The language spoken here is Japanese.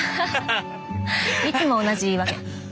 いつも同じ言い訳。